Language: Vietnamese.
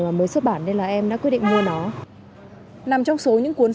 mà mới xuất bản nên là em đã quyết định mua nó